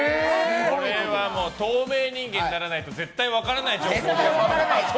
これは透明人間にならないと絶対分からない情報ですね。